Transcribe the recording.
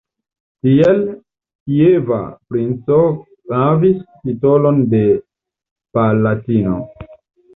Tiel, kieva princo havis titolon de "palatino".